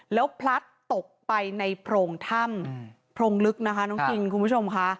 แล้วพลัดตกไปในโพรงถ้ำโพรงลึกนะคะน้องคิงคุณผู้ชมค่ะ